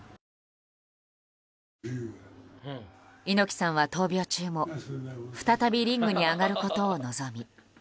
猪木さんは闘病中も再びリングに上がることを望み